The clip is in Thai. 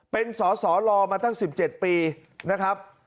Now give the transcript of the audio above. เป็นสอสอรอมาตั้ง๑๗ปีนะครับ